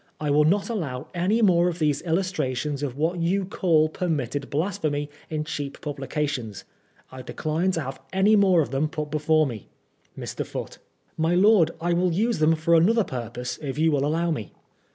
I will not allow any more of these illustrations of what you caU permitted blasphemy in cheap publications. I decline to have any more of them put before me. Mr. Foote : My Lord, I will use them for another purpose, if you will allow me.